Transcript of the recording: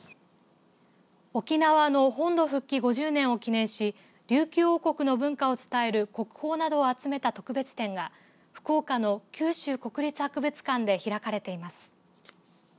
沖縄の本土復帰５０年を記念し琉球王国の文化を伝える国宝などを集めた特別展が福岡の九州国立博物館で開かれています。